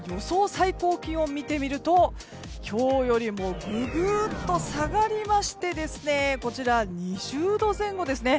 最高気温を見てみると今日よりもググっと下がりまして２０度前後ですね。